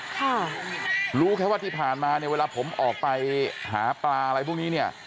ค่ะรู้แค่ว่าที่ผ่านมาเนี่ยเวลาผมออกไปหาปลาอะไรพวกนี้เนี่ย